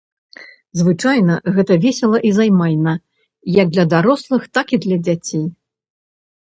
Звычайна гэта весела і займальна як для дарослых, так і для дзяцей.